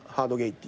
って。